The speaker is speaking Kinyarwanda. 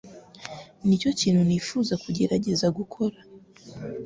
Nicyo kintu nifuza kugerageza gukora.